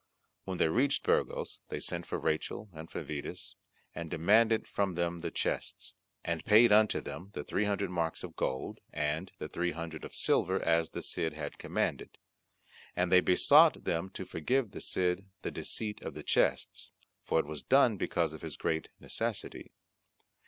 When they reached Burgos they sent for Rachel and for Vidas, and demanded from them the chests, and paid unto them the three hundred marks of gold and the three hundred of silver as the Cid had commanded, and they besought them to forgive the Cid the deceit of the chests, for it was done because of his great necessity.